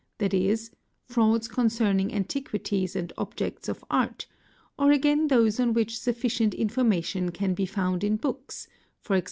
g., 766 CHEATING AND FRAUD frauds concerning antiquities and objects of art; or again those on which sufficient information can be found in books, e.g.